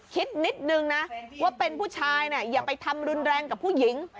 คิดนิดนึงนะว่าเป็นผู้ชายเนี่ยอย่าไปทำรุนแรงกับผู้หญิง